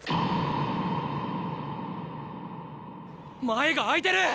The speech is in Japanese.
前が空いてる！